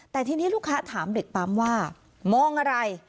แต่ทีนี้ลูกค้าถามเด็กปั๊มว่ามองอะไร